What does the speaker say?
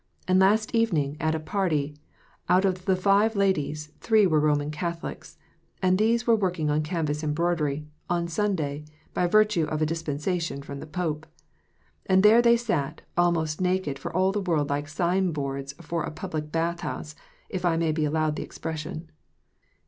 And last evening, at a party, out of five ladies, three were Roman Catholics ; and these were working on canvas embroidery, on Sunday, by virtue of a dis pensation from the pope ! And there they sat, almost naked, for all the world like signboards for a public bath house — if I may be allowed the expression.